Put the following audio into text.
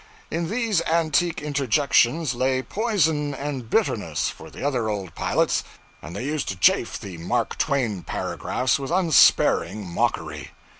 In these antique interjections lay poison and bitterness for the other old pilots, and they used to chaff the 'Mark Twain' paragraphs with unsparing mockery.